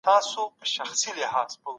د پرېکړو عملي کول ځواکمن سياسي نظام غواړي.